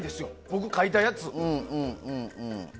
僕が書いたやつ。